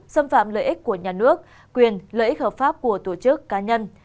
xâm phạm lợi ích của nhà nước quyền lợi ích hợp pháp của tổ chức cá nhân